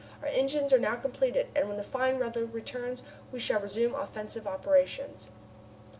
"Our engines are now completed, and when the fine weather returns we shall resume offensive operations."